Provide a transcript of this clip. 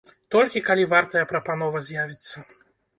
Толькі, калі вартая прапанова з'явіцца.